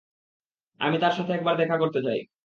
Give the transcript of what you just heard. আমি তার সাথে একবার দেখা করতে চাই।